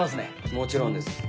もちろんです